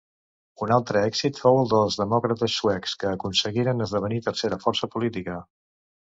Un altre èxit fou el dels Demòcrates Suecs, que aconseguiren esdevenir tercera força política.